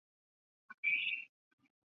后来又有许多实验支持了上面的结论。